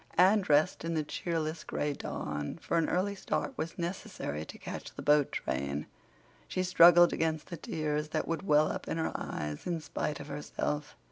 Anne dressed in the cheerless gray dawn, for an early start was necessary to catch the boat train; she struggled against the tears that would well up in her eyes in spite of herself.